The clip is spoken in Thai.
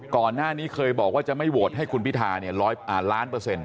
ก่อนหน้านี้เคยบอกว่าจะไม่โหวตให้คุณพิธาล้านเปอร์เซ็นต